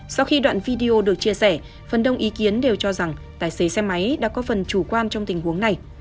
sau khi đoạn video được chia sẻ phần đông ý kiến đều cho rằng tài xế xe máy đã có phần chủ quan trong tình huống này